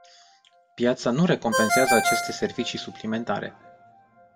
Piața nu recompensează aceste servicii suplimentare.